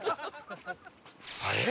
あれ？